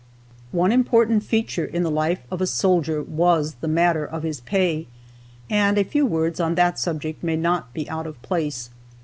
One important feature in the life of a soldier was the matter of his pay, and a few words on that subject may not be out of place.